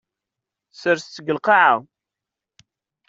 Serset-t deg lqaɛa.